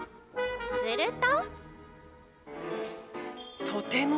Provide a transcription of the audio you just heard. すると。